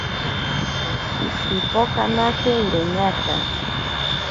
Pipokanake iroñaka.